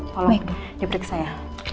tolong diperiksa ya